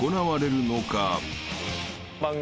番組